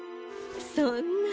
そんな。